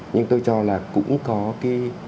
nhưng tôi cho là cũng có cái